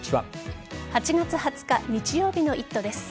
８月２０日日曜日の「イット！」です。